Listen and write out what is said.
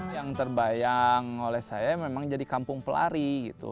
yang terbayang oleh saya memang jadi kampung pelari gitu